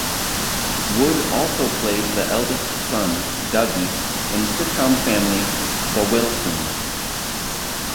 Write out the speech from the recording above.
Wood also played the eldest son, Dougie, in sitcom family "The Wilsons".